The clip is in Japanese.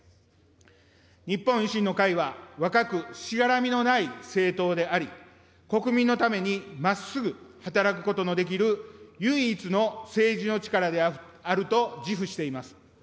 日本維新の会は、若くしがらみのない政党であり、国民のためにまっすぐ働くことのできる唯一の政治の力であると自負しています。